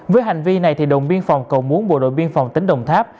với hành vi này đồn biên phòng cầu muốn bộ đội biên phòng tính đồng tháp